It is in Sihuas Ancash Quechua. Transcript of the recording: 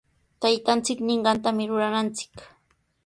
Taytanchik ninqantami rurananchik.